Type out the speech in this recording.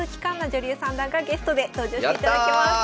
女流三段がゲストで登場していただきます。